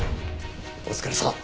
お疲れさん。